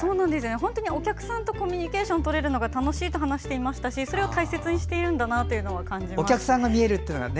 本当にお客さんとコミュニケーションをとれるのが楽しいと話していましたしそれを大切にしているんだと感じましたね。